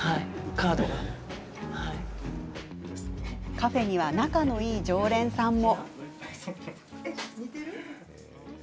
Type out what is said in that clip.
カフェには、仲のいい常連さんも。